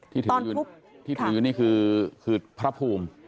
ที่ถืออยู่นี่คือพระภูมิ